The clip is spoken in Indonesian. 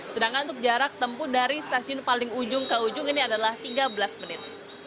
sedangkan untuk jarak tempuh dari stasiun paling ujung ke ujung ini adalah tiga belas menit